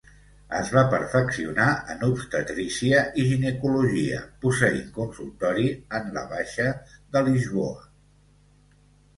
Es va perfeccionar en obstetrícia i ginecologia posseint consultori en la Baixa de Lisboa.